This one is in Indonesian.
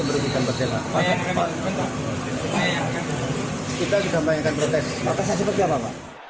protes seperti apa pak